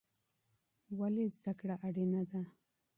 ولې زده کړه اړینه ده؟